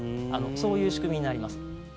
そういう仕組みになります。